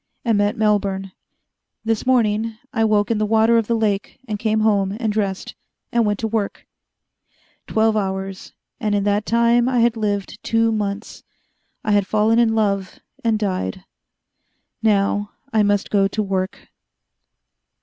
And met Melbourne. This morning I woke in the water of the lake, and came home, and dressed. And went to work. Twelve hours and in that time I had lived two months. I had fallen in love, and died. Now I must go to work.